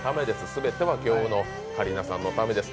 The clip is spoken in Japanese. すべては今日の桂里奈さんのためです。